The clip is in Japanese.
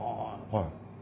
はい。